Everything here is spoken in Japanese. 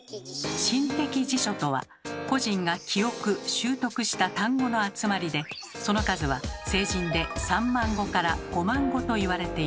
心的辞書とは個人が記憶・習得した単語の集まりでその数は成人で３万語から５万語と言われています。